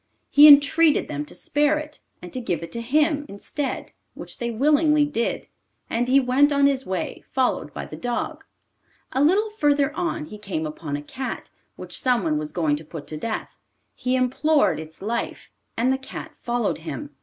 He entreated them to spare it, and to give it to him instead which they willingly did, and he went on his way, followed by the dog. A little further on he came upon a cat, which someone was going to put to death. He implored its life, and the cat followed him.